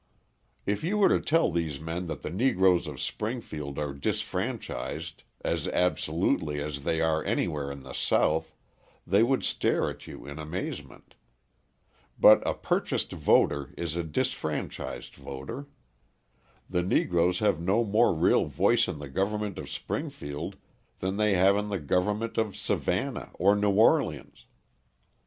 If you were to tell these men that the Negroes of Springfield are disfranchised as absolutely as they are anywhere in the South, they would stare at you in amazement. But a purchased voter is a disfranchised voter. The Negroes have no more real voice in the government of Springfield than they have in the government of Savannah or New Orleans.